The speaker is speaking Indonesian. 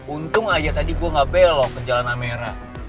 untung aja tadi gue gak belok ke jalan amera